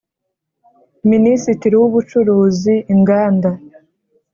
Minisitiri w Ubucuruzi Inganda